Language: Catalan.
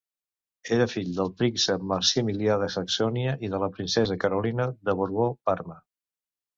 Era fill del príncep Maximilià de Saxònia i de la princesa Carolina de Borbó-Parma.